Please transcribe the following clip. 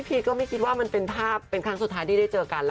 พีทไม่คิดว่ามันคลั้งสุดท้ายที่ได้เจอกัน